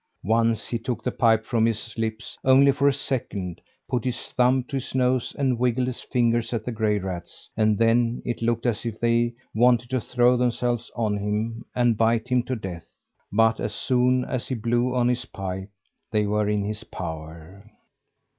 Once he took the pipe from his lips only for a second put his thumb to his nose and wiggled his fingers at the gray rats; and then it looked as if they wanted to throw themselves on him and bite him to death; but as soon as he blew on his pipe they were in his power.